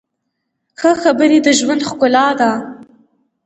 ښه خبرې د ژوند ښکلا ده.